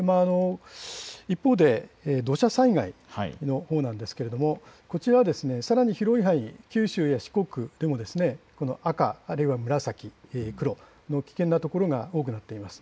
一方で土砂災害のほうですがこちらはさらに広い範囲、九州や四国でも赤、あるいは紫、黒の危険な所が多くなっています。